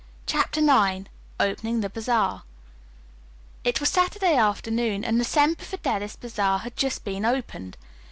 CHAPTER IX OPENING THE BAZAAR It was Saturday afternoon, and the Semper Fidelis bazaar had just been opened.